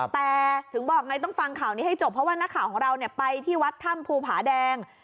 แต่ถึงบอกไงต้องฟังข่าวนี้ให้จบเพราะว่านักข่าวของเราไปที่วัดถ้ำภูผาแดง